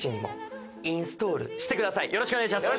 よろしくお願いします！